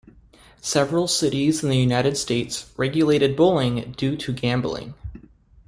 Several cities in the United States regulated bowling due to gambling.